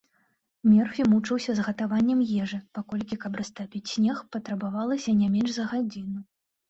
Мёрфі мучыўся з гатаваннем ежы, паколькі, каб растапіць снег, патрабавалася не менш за гадзіну.